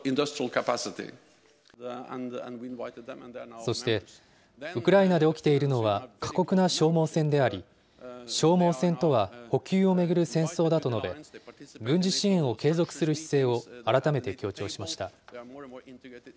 そして、ウクライナで起きているのは過酷な消耗戦であり、消耗戦とは補給を巡る戦争だと述べ、軍事支援を継続する姿勢を改めて強調しました。